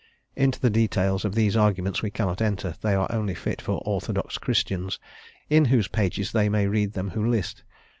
Into the details of these arguments we cannot enter; they are only fit for orthodox Christians, in whose pages they may read them who list.